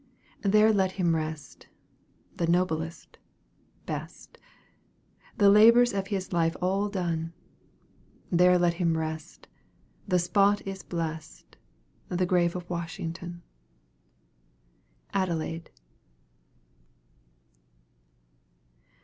There let him rest the noblest, best; The labors of his life all done There let him rest, the spot is blessed The grave of WASHINGTON. ADELAIDE.